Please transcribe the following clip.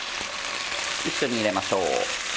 一緒に入れましょう。